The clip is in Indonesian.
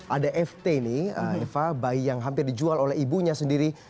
ada ft ini eva bayi yang hampir dijual oleh ibunya sendiri